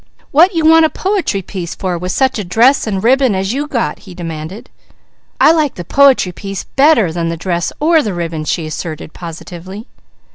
"What you want a poetry piece for with such a dress and ribbon as you got?" he demanded. "I like the po'try piece better than the dress or the ribbon," she asserted positively.